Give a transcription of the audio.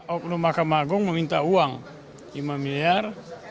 okno makam agung meminta uang lima miliar